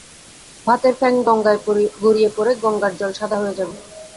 ভাতের ফেন গঙ্গায় গড়িয়ে পড়ে গঙ্গার জল সাদা হয়ে যাবে।